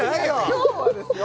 今日はですよ